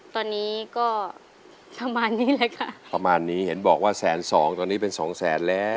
ตอนนี้ก็ประมาณนี้แหละค่ะประมาณนี้เห็นบอกว่าแสนสองตอนนี้เป็นสองแสนแล้ว